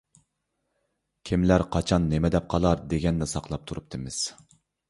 كېملەر قاچان نېمە دەپ قالار، دېگەننى ساقلاپ تۇرۇپتىمىز.